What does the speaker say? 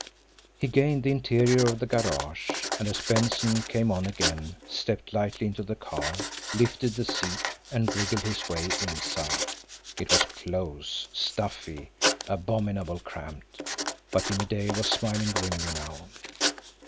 He gained the interior of the garage, and, as Benson, came on again, stepped lightly into the car, lifted the seat, and wriggled his way inside. It was close, stuffy, abominably cramped, but Jimmie Dale was smiling grimly now.